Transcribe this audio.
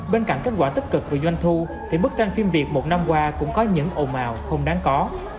bên cạnh kết quả tích cực về doanh thu thì bức tranh phim việt một năm qua cũng có những ồn ào không đáng có